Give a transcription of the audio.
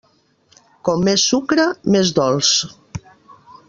Com més sucre, més dolç.